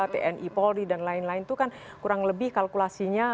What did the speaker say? tni polri dan lain lain itu kan kurang lebih kalkulasinya